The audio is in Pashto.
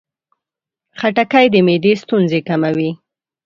خټکی د معدې ستونزې کموي.